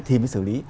thì mới xử lý